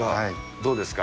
どうですか？